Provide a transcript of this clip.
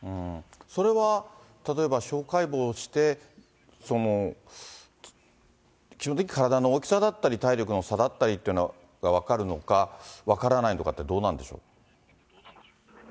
それは例えば司法解剖して、基本的に体の大きさだったり、体力の差だったりっていうのが分かるのか、分からないのかって、どうなんでしょう。